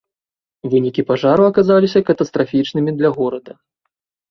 Вынікі пажару аказаліся катастрафічнымі для горада.